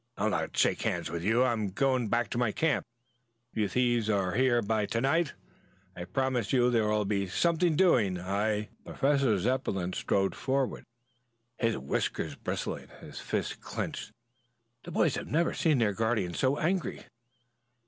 "I'll not shake hands with you. I am going back to my camp. If you thieves are here by to night I promise you there will be something doing. I " Professor Zepplin strode forward, his whiskers bristling, his fists clenched. The boys never had seen their guardian so angry.